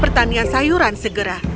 pertanian sayuran segera